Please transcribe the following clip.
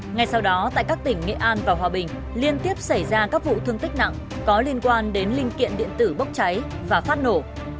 ngay sau đó tại các tỉnh nghệ an và hòa bình liên tiếp xảy ra các vụ thương tích nặng có liên quan đến linh kiện điện tử bốc cháy và phát nổ